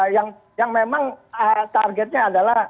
yang memang targetnya adalah